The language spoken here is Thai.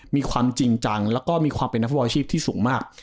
มีความจริงจังแล้วก็มีความเป็นนักฟุตบอลอาชีพที่สูงมาก